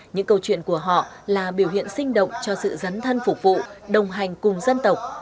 những câu chuyện của họ là biểu hiện sinh động cho sự dấn thân phục vụ đồng hành cùng dân tộc